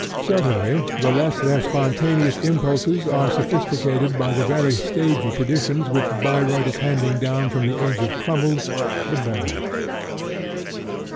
Certainly the less their spontaneous impulses are sophisticated by the very stagey traditions which Bayreuth is handing down from the age of Crummles, the better.